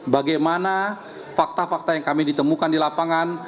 bagaimana fakta fakta yang kami ditemukan di lapangan